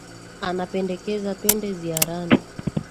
Anapendekeza twende ziarani